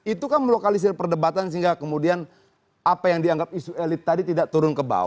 itu kan melokalisir perdebatan sehingga kemudian apa yang dianggap isu elit tadi tidak turun ke bawah